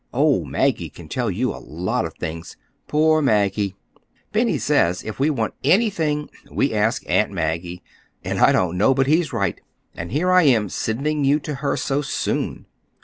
Oh, Maggie can tell you a lot of things. Poor Maggie! Benny says if we want anything we ask Aunt Maggie, and I don't know but he's right. And here I am, sending you to her, so soon!"